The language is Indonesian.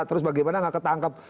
terus bagaimana nggak ketangkep